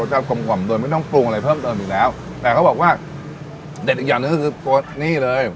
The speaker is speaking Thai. จะกลมกล่อมโดยไม่ต้องปรุงอะไรเพิ่มเติมอีกแล้วแต่เขาบอกว่าเด็ดอีกอย่างหนึ่งก็คือตัวนี่เลย